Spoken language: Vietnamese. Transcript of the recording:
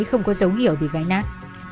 không có sống hiểu bị gái nát